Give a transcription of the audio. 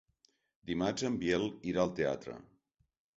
Dimarts en Biel irà al teatre.